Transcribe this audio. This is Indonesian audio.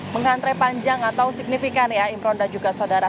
mengantre panjang atau signifikan ya impron dan juga saudara